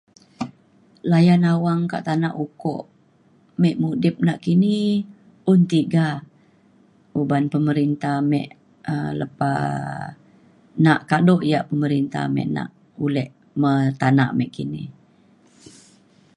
Layan awang ka tana ukok me mudip nakini un tiga uban pemerinta me um lepa nak kado ia’ pemerinta me nak ulek me tana nakini.